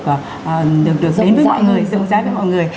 được đến với mọi người dùng dãi với mọi người